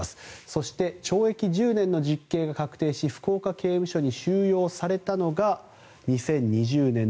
そして、懲役１０年の実刑が確定し福岡刑務所に収容されたのが２０２０年の１１月。